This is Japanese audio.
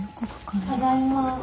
ただいま。